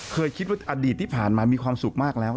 เคยคิดว่าอดีตที่ผ่านมามีความสุขมากแล้ว